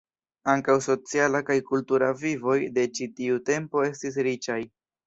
Ankaŭ sociala kaj kultura vivoj de ĉi tiu tempo estis riĉaj.